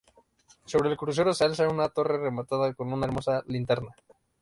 Sobre el crucero se alza una torre rematada con una hermosa linterna.